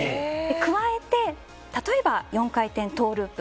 加えて、例えば４回転トウループ。